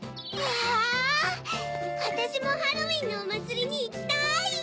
わたしもハロウィンのおまつりにいきたい！